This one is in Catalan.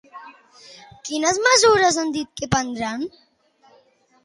Quines mesures han dit que prendran?